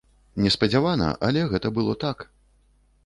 Неспадзявана, але гэта было так.